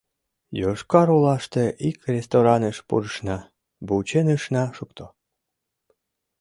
Йошкар-Олаште ик рестораныш пурышна — вучен ышна шукто.